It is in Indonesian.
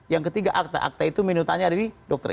yang ketiga akta akta itu minutanya di dokter